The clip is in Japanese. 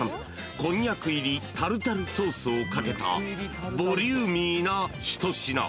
こんにゃく入りタルタルソースをかけたボリューミーな一品］